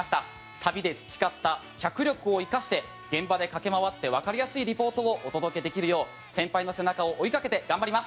旅で培った脚力を生かして現場で駆け回ってわかりやすいリポートをお届けできるよう先輩の背中を追いかけて頑張ります。